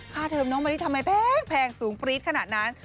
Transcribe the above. เทอมน้องมะลิทำไมแพงสูงปรี๊ดขนาดนั้น